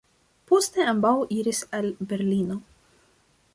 Poste ambaŭ iris al Berlino.